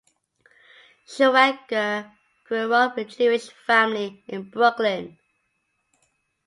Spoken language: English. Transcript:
Schrager grew up in a Jewish family in Brooklyn.